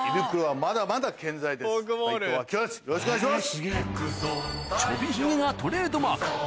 よろしくお願いします。